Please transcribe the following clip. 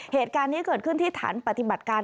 เหตุการณ์นี้เกิดขึ้นที่ฐานปฏิบัติการ